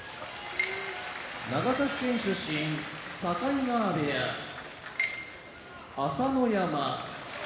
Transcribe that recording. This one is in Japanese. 長崎県出身境川部屋朝乃山